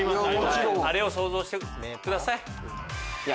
あれを想像してください。